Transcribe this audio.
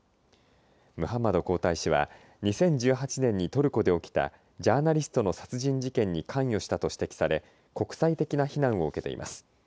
ムハンマド皇太子は２０１８年にトルコで起きたジャーナリストの殺人事件に関与したと指摘され国際的な非難を受けています。